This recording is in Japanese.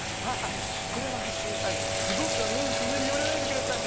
これはすごくあぁこんなに寄らないでください。